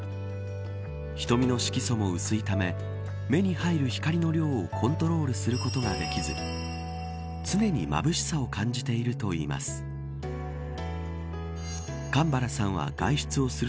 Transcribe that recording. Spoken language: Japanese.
瞳の色素も薄いため目に入る光の量をコントロールすることができず常にまぶしさを感じているといいます。